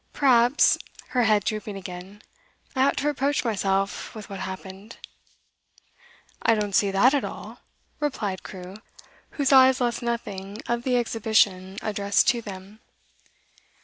Perhaps,' her head drooping again, 'I ought to reproach myself with what happened.' 'I don't see that at all,' replied Crewe, whose eyes lost nothing of the exhibition addressed to them.